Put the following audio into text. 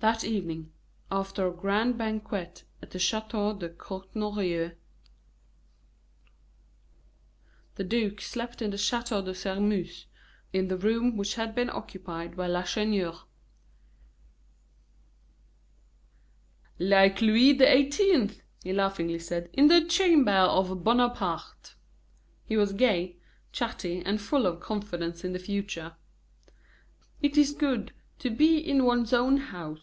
That evening, after a grand banquet at the Chateau de Courtornieu, the duke slept in the Chateau de Sairmeuse, in the room which had been occupied by Lacheneur, "like Louis XVIII.," he laughingly said, "in the chamber of Bonaparte." He was gay, chatty, and full of confidence in the future. "Ah! it is good to be in one's own house!"